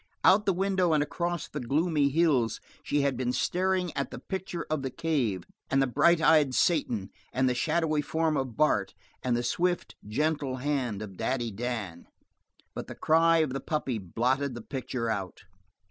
Out the window and across the gloomy hills she had been staring at the picture of the cave, and bright eyed Satan, and the shadowy form of Bart, and the swift, gentle hand of Daddy Dan; but the cry of the puppy blotted the picture out.